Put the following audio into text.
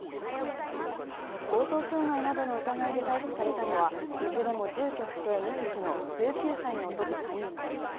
強盗傷害などの疑いで逮捕されたのはいずれも住居不定・無職の１９歳の男３人です。